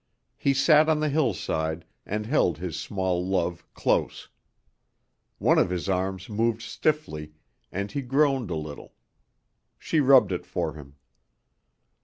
He sat on the hillside and held his small love close. One of his arms moved stiffly, and he groaned a little. She rubbed it for him.